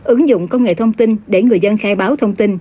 ứng dụng công nghệ thông tin để người dân khai báo thông tin